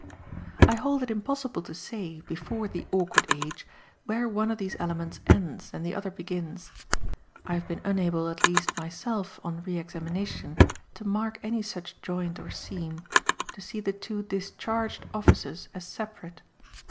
I hold it impossible to say, before "The Awkward Age," where one of these elements ends and the other begins: I have been unable at least myself, on re examination, to mark any such joint or seam, to see the two DISCHARGED offices as separate.